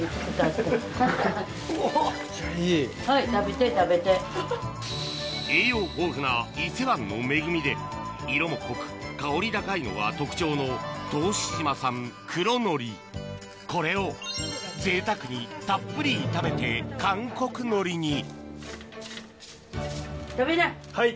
しかし栄養豊富な伊勢湾の恵みで色も濃く香り高いのが特徴の答志島産黒のりこれをぜいたくにたっぷり炒めて韓国のりにはい！